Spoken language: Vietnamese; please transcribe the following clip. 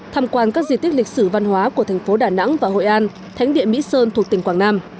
tham quan các di tích lịch sử văn hóa của thành phố đà nẵng và hội an thánh địa mỹ sơn thuộc tỉnh quảng nam